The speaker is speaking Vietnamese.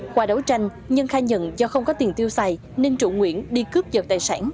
qua đấu tranh nhân khai nhận do không có tiền tiêu xài nên trụ nguyễn đi cướp dật tài sản